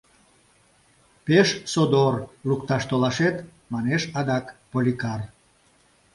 — Пеш содор лукташ толашет, — манеш адак Поликар.